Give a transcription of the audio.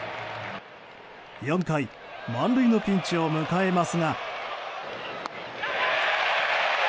４回、満塁のピンチを迎えますが。